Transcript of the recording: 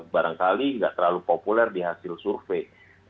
barangkali nggak terlalu populer di hasil survei